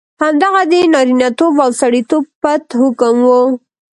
همدغه د نارینتوب او سړیتوب پت حکم وو.